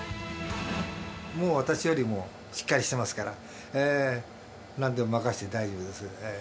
もう私よりもしっかりしてますから、なんでも任せて大丈夫です。